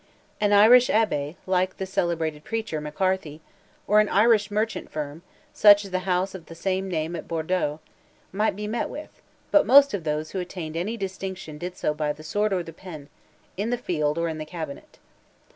An Irish Abbé, liked the celebrated preacher, McCarthy—or an Irish merchant firm, such as the house of the same name at Bordeaux, might be met with, but most of those who attained any distinction did so by the sword or the pen, in the field or the cabinet.